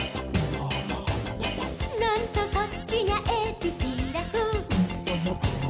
「なんとそっちにゃえびピラフ」